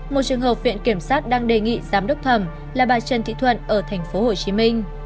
một trường hợp viện kiểm soát đang đề nghị giám đốc thẩm là bà trần thị thuận ở tp hcm